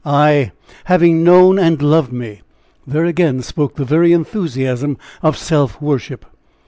"Ay! 'having known and loved me!' There again spoke the very enthusiasm of self worship!